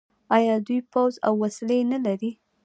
آیا دوی پوځ او وسلې نلري؟